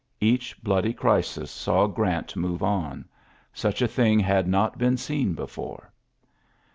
Each bloody crisis saw Grant move on. Such a thing had not been seen before.